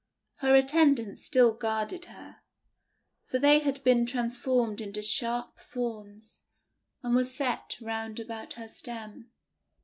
Her attendants still guaraed her, for they had been transformed into sharp thorns, and were set round about her stem.